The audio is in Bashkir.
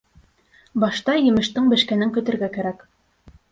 Башта емештең бешкәнен көтөргә кәрәк.